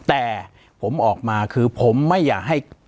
แต่ผมออกมาคือผมไม่อยากให้